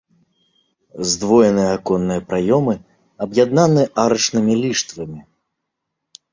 Здвоеныя аконныя праёмы аб'яднаны арачнымі ліштвамі.